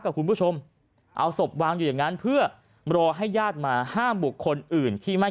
คุณผู้ชมเอาศพวางอยู่อย่างนั้นเพื่อรอให้ญาติมาห้ามบุคคลอื่นที่ไม่